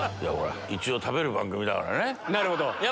一応食べる番組だからね。